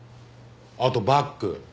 あとバッグ。